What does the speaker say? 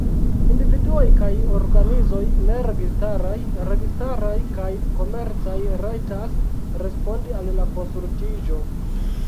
Individuoj kaj organizoj neregistaraj, registaraj kaj komercaj rajtas respondi al la konsultiĝo.